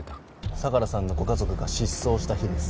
相良さんのご家族が失踪した日です。